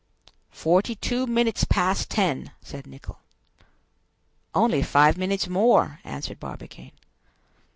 "Forty two minutes past ten!" said Nicholl. "Only five minutes more!" answered Barbicane.